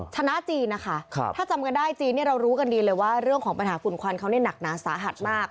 ชนะจีนนะคะถ้าจำกันได้จีนเนี่ยเรารู้กันดีเลยว่าเรื่องของปัญหาฝุ่นควันเขาเนี่ยหนักหนาสาหัสมาก